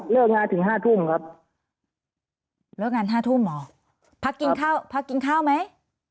งานถึงห้าทุ่มครับเลิกงานห้าทุ่มเหรอพักกินข้าวพักกินข้าวไหม